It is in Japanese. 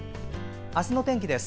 明日の天気です。